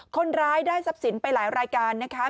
คนร้ายได้ทรัพย์สินไปหลายรายการนะคะ